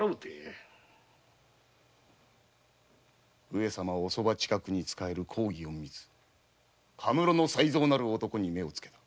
上様おそば近くに仕える公儀隠密学文路の才三なる男に目をつけた。